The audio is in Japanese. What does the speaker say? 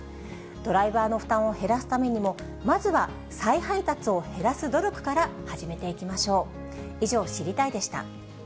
ドライバーの負担を減らすためにも、まずは再配達を減らす努力から始めていきましょう。